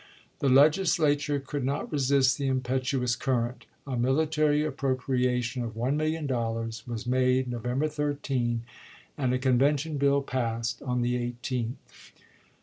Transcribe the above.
The Legis lature could not resist the impetuous current. A military appropriation of one million dollars was i860. made November 13, and a convention bill passed on the 18th.